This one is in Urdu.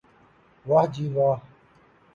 واہ جی واہ